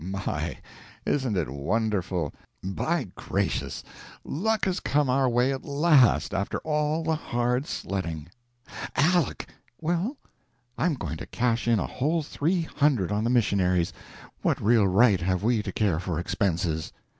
"My! isn't it wonderful? By gracious! luck has come our way at last, after all the hard sledding. Aleck!" "Well?" "I'm going to cash in a whole three hundred on the missionaries what real right have we care for expenses!"